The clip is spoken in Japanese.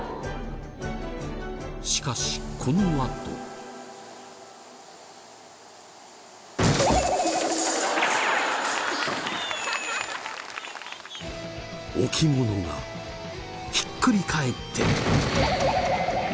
しかしこのあと。置物がひっくり返って。